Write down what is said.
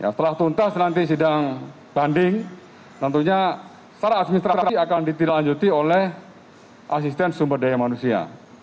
setelah tuntas nanti sidang banding tentunya secara administrasi akan ditilangjuti oleh asisten sumber daya manusia